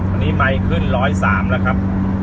อันนี้ไหมขึ้นร้อยสามแล้วครับ